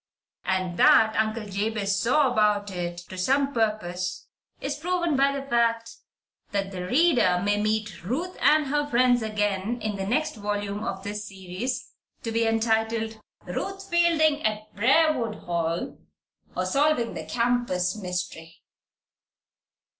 And that Uncle Jabez Potter "saw about it" to some purpose is proven by the fact that the reader may meet Ruth and her friends again in the next volume of this series to be entitled "Ruth Fielding at Briarwood Hall; Or, Solving the Campus Mystery."